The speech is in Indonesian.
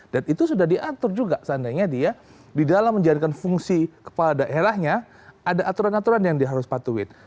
dan itu sudah diatur juga seandainya dia di dalam menjalankan fungsi kepala daerahnya ada aturan aturan yang dia harus patuhin